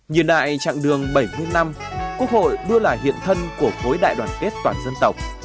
như nại chặng đường bảy mươi năm quốc hội đưa lại hiện thân của phối đại đoàn kết toàn dân tộc